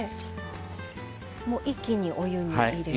もう一気にお湯に入れて。